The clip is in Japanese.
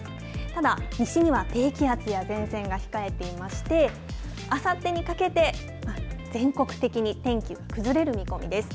ただ、西には低気圧や前線が控えていまして、あさってにかけて、全国的に天気、崩れる見込みです。